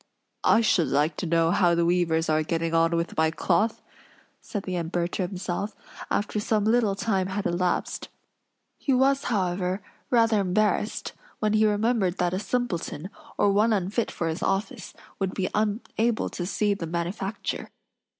"I should like to know how the weavers are getting on with my cloth," said the Emperor to himself, after some little time had elapsed; he was, however, rather embarrassed, when he remembered that a simpleton, or one unfit for his office, would be unable to see the manufacture.